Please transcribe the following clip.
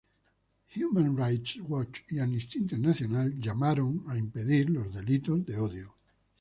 Human Rights Watch y Amnistía Internacional llamó a impedir los delitos de odio.